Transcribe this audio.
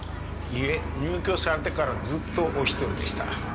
いえ入居されてからずっとお一人でした。